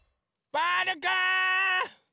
ボールくん！